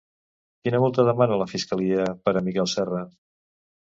Quina multa demana la fiscalia per a Miquel Serra?